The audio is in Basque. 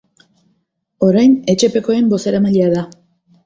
Orain etxepekoen bozeramailea da.